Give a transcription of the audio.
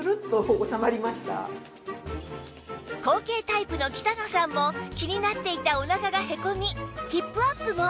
後傾タイプの北野さんも気になっていたお腹がへこみヒップアップも